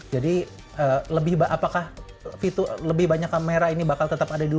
jadi apakah fitur lebih banyak kamera ini bakal tetap ada di dua ribu sembilan belas